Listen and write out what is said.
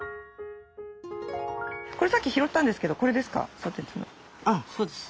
これさっき拾ったんですけどあそうです。